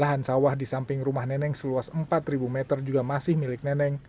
lahan sawah di samping rumah neneng seluas empat meter juga masih milik neneng